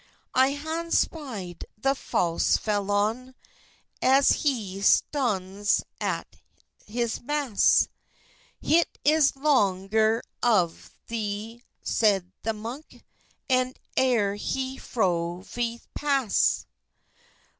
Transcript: "I haue spyed the false felone, As he stondes at his masse; Hit is longe of the," seide the munke, "And euer he fro vs passe.